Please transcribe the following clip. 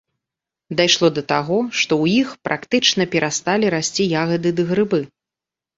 Дайшло да таго, што ў іх практычна перасталі расці ягады ды грыбы.